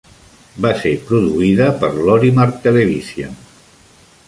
Va ser produïda per Lorimar Television.